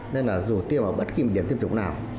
nên là dù tiêm vào bất kỳ một điểm tiêm chủng nào